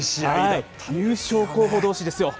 優勝候補どうしですよ。